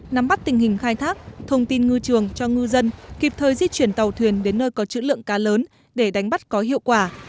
nắm bắt tình hình khai thác thông tin ngư trường cho ngư dân kịp thời di chuyển tàu thuyền đến nơi có chữ lượng cá lớn để đánh bắt có hiệu quả